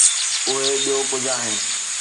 اهي ٻيو ڪجهه آهن.